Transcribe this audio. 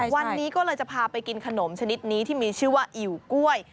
วันนี้ก็เลยจะพาไปกินขนมชนิดนี้ที่มีชื่อว่าอิ๋วกล้วย